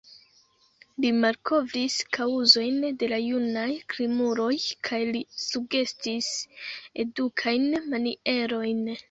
Li malkovris kaŭzojn de la junaj krimuloj kaj li sugestis edukajn manierojn.